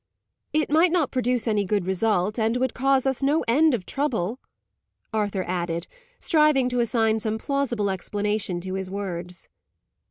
"It might not produce any good result, and would cause us no end of trouble," Arthur added, striving to assign some plausible explanation to his words.